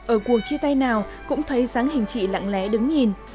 ở cuộc chia tay nào cũng thấy dáng hình chị lặng lẽ đứng nhìn